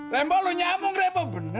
remboh lu nyambung remboh